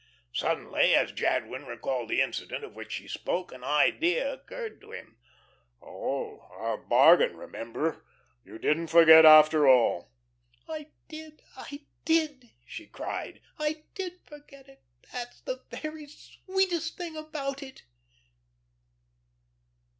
Suddenly, as Jadwin recalled the incident of which she spoke, an idea occurred to him. "Oh, our bargain remember? You didn't forget after all." "I did. I did," she cried. "I did forget it. That's the very sweetest thing about it."